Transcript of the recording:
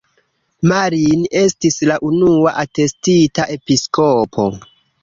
Marin estis la unua atestita episkopo.